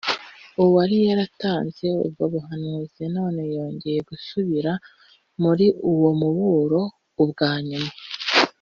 uwari yaratanze ubwo buhanuzi noneho yongeye gusubira muri uwo muburo ubwa nyuma